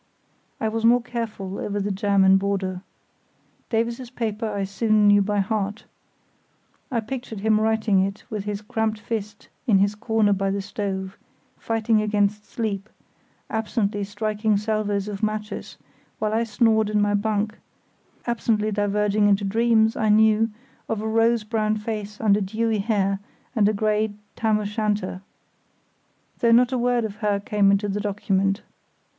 I was more careful over the German border. Davies's paper I soon knew by heart. I pictured him writing it with his cramped fist in his corner by the stove, fighting against sleep, absently striking salvos of matches, while I snored in my bunk; absently diverging into dreams, I knew, of a rose brown face under dewy hair and a grey tam o' shanter; though not a word of her came into the document.